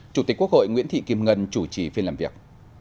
chủ tịch quốc hội nguyễn thị kim ngân chủ trì phiên làm việc